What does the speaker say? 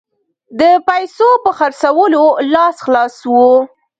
د پیسو په خرڅولو لاس خلاص وو.